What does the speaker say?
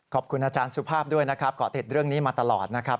ขอบคุณอาจารย์สุภาพด้วยนะครับเกาะติดเรื่องนี้มาตลอดนะครับ